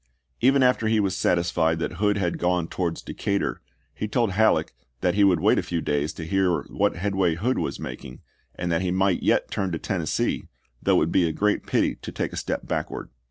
Even after he was sat isfied that Hood had gone towards Decatur, he told Halleck that he would wait a few days to hear what headway Hood was making and that he might yet turn to Tennessee, though it would be a great pity to take a step backward.